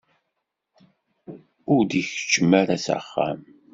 Ur d-ikeččem ara s axxam.